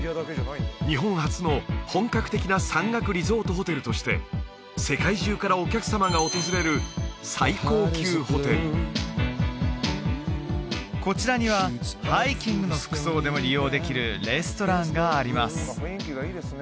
日本初の本格的な山岳リゾートホテルとして世界中からお客様が訪れる最高級ホテルこちらにはハイキングの服装でも利用できるレストランがあります